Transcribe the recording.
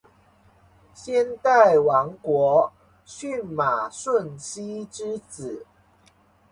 先代国王舜马顺熙之子。